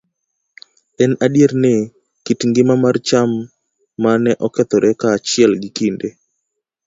En adier ni, kit ngima mar cham ma ne okethore kaachiel gi kinda